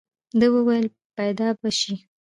ده وويل پيدا به شي.